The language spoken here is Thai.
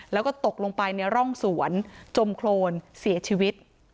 แล้วก็ตกลงไปในร่องสวนจมโครนเสียชีวิต